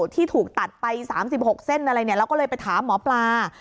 ที่ถูกตัดไป๓๖เส้นอะไรเราก็เลยไปถามหมอปลา